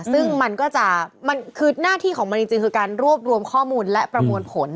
ซึ่งมันก็จะมันคือหน้าที่ของมันจริงคือการรวบรวมข้อมูลและประมวลผล